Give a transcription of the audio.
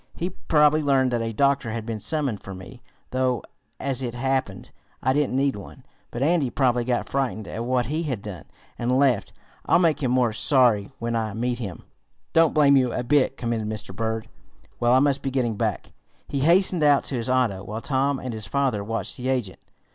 He probably learned that a doctor had been summoned for me, though, as it happened, I didn't need one. But Andy probably got frightened at what he had done, and left. I'll make him more sorry, when I meet him." "Don't blame you a bit," commented Mr. Berg. "Well, I must be getting back." He hastened out to his auto, while Tom and his father watched the agent.